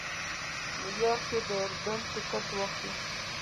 نیویارک کې د اردن ټکټ واخلم.